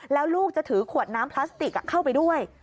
แล้วลูกจะถือขวดน้ำพลาสติกเข้าไปด้วย